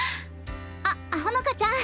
・あっほのかちゃん。